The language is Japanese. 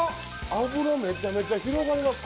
脂めちゃめちゃ広がりますこれ。